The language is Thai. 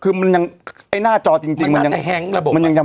คือมันยังทายหน้าจอจริงมันยังยังยังได้